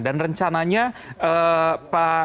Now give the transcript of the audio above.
dan rencananya pak